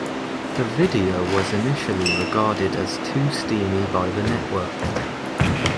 The video was initially regarded as too steamy by the network.